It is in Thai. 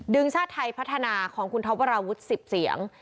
ดึงชาติไทยพัฒนาของคุณท้าวประวุฒิ์๑๐เสียง